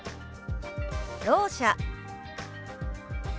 「ろう者」。